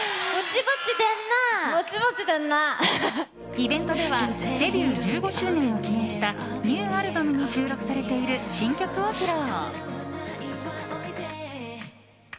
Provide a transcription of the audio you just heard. イベントではデビュー１５周年を記念したニューアルバムに収録されている新曲を披露。